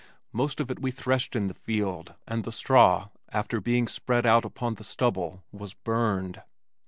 Most of it we threshed in the field and the straw after being spread out upon the stubble was burned.